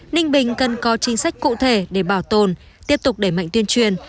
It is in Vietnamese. ninh bình cần có chính sách cụ thể để bảo tồn tiếp tục đẩy mạnh tuyên truyền